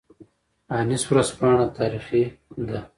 انیس ورځپاڼه تاریخي ده